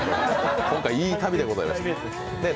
今回、いい旅でございました。